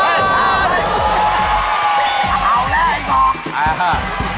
เอาละค่ะ